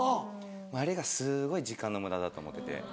あれがすごい時間の無駄だと思ってて。